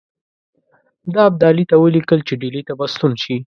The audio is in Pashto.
ده ابدالي ته ولیکل چې ډهلي ته به ستون شي.